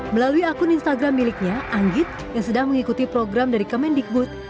melalui akun instagram miliknya anggit yang sedang mengikuti program dari kemendikbud